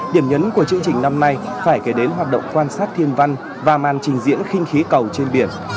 điểm nhấn của chương trình năm nay phải kể đến hoạt động quan sát thiên văn và màn trình diễn khinh khí cầu trên biển